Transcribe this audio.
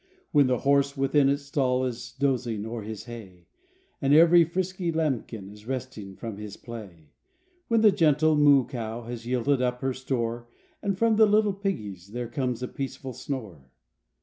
When the horse within its stall, LIFE WAVES 45 Is dozing o'er his hay, And every frisky lambkin, Is resting from his play, When the gentle moo cow, Has yielded up her store, And from the litt e piggies, There comes a peaceful snore.